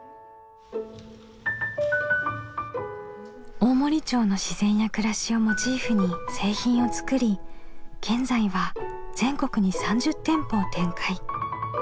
大森町の自然や暮らしをモチーフに製品を作り現在は全国に３０店舗を展開。